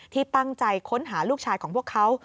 ที่ตั้งใจค้นหาลูกชายของพวกเขา